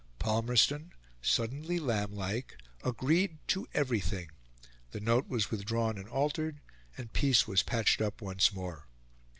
Palmerston, suddenly lamblike, agreed to everything; the note was withdrawn and altered, and peace was patched up once more.